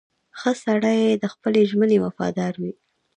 • ښه سړی د خپلې ژمنې وفادار وي.